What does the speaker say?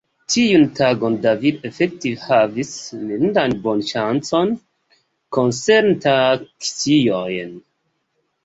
Tiun tagon Davido efektive havis mirindan bonŝancon koncerne taksiojn.